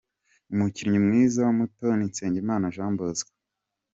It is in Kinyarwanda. Umukinnyi mwiza muto ni Nsengimana Jean Bosco.